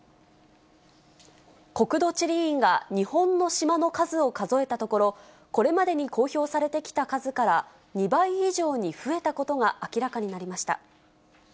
国土地理院が日本の島の数を数えたところ、これまでに公表されてきた数から２倍以上に増えたことが明らかになりました。